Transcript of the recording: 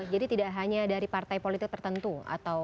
jadi tidak hanya dari partai politik tertentu atau